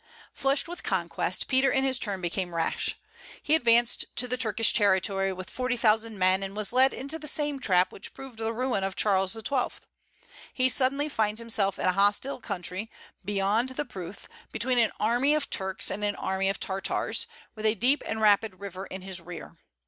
Flushed with conquest, Peter in his turn became rash. He advanced to the Turkish territory with forty thousand men, and was led into the same trap which proved the ruin of Charles XII. He suddenly finds himself in a hostile country, beyond the Pruth, between an army of Turks and an army of Tartars, with a deep and rapid river in his rear.